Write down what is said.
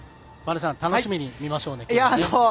播戸さん、楽しみに見ましょうね。